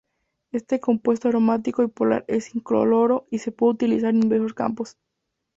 Este compuesto aromático y polar es incoloro y se puede utilizar en diversos campos.